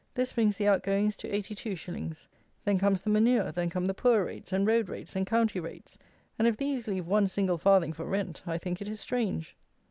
This brings the outgoings to 82_s._ Then comes the manure, then come the poor rates, and road rates, and county rates; and if these leave one single farthing for rent I think it is strange.